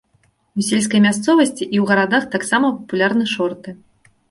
У сельскай мясцовасці і ў гарадах таксама папулярны шорты.